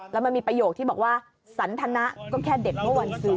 แล้วมันมีประโยคที่บอกว่าสันทนะก็แค่เด็ดเมื่อวันซื้อ